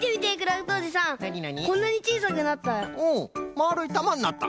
まあるいたまになった。